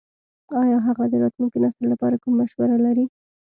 ایا هغه د راتلونکي نسل لپاره کومه مشوره لري ?